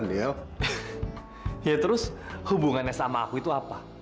dia ya terus hubungannya sama aku itu apa